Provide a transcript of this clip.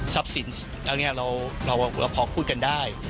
ซับสินเราพอพูดกันได้